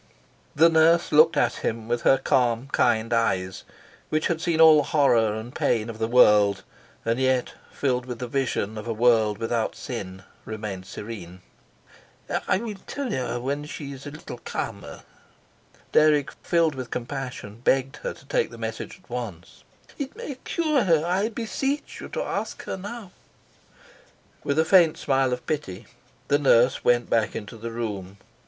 The nurse looked at him with her calm, kind eyes, which had seen all the horror and pain of the world, and yet, filled with the vision of a world without sin, remained serene. "I will tell her when she is a little calmer." Dirk, filled with compassion, begged her to take the message at once. "It may cure her. I beseech you to ask her now." With a faint smile of pity, the nurse went back into the room.